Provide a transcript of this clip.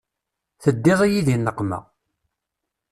Teddiḍ-iyi di nneqma.